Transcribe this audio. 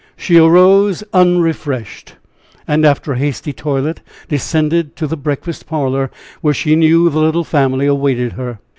She arose unrefreshed, and after a hasty toilet descended to the breakfast parlor, where she knew the little family awaited her.